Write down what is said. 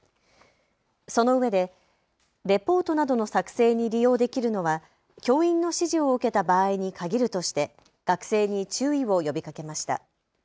そのうえでレポートなどの作成に利用できるのは教員の指示を受けた場合に限るとして学生に注意を呼びかけました。